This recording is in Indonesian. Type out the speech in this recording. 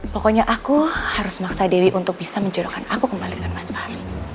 pokoknya aku harus maksa dewi untuk bisa menjuruhkan aku kembali dengan mas fahri